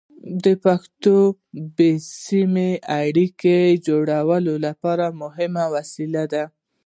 پښتو د بې سیمه اړیکو جوړولو لپاره مهمه وسیله ده.